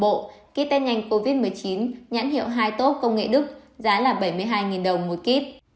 bộ kit test nhanh covid một mươi chín nhãn hiệu hai tốt công nghệ đức giá là bảy mươi hai đồng một kíp